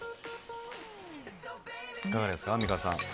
いかがですか、アンミカさん。